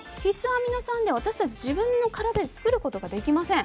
アミノ酸で私たち自分の体で作ることができません。